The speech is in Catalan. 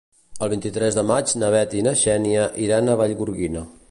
El vint-i-tres de maig na Bet i na Xènia iran a Vallgorguina.